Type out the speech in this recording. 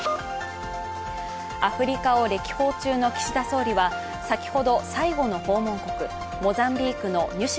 アフリカを歴訪中の岸田総理は先ほど最後の訪問国モザンビークのニュシ